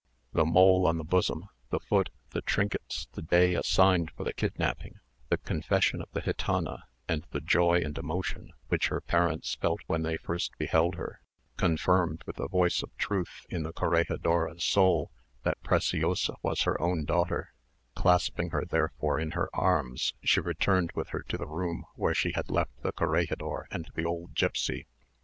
The mole on the bosom, the foot, the trinkets, the day assigned for the kidnapping, the confession of the gitana, and the joy and emotion which her parents felt when they first beheld her, confirmed with the voice of truth in the corregidora's soul that Preciosa was her own daughter: clasping her therefore in her arms, she returned with her to the room where she had left the corregidor and the old gipsy.